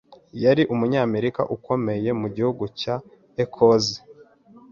yari umunyamerika ukomoka mu gihugu cya Ecosse